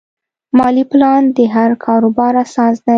مالي پلان د هر کاروبار اساس دی.